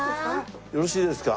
よろしいですか？